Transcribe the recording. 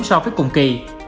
so với cùng kỳ